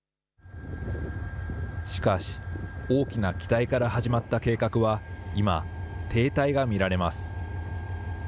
しかし、大きな期待から始まった計画は、今、停滞が見られます。